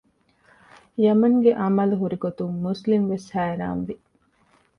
ޔަމަންގެ އަމަލު ހުރިގޮތުން މުސްލިމް ވެސް ހައިރާން ވި